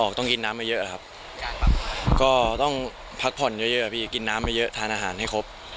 ก็ต้องพักผ่อนเยอะพี่กินน้ำเยอะทานอาหารให้ครบ